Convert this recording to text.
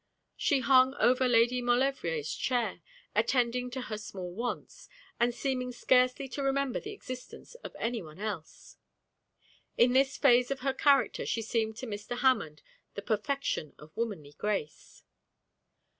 She hung over Lady Maulevrier's chair, attending to her small wants, and seeming scarcely to remember the existence of anyone else. In this phase of her character she seemed to Mr. Hammond the perfection of womanly grace.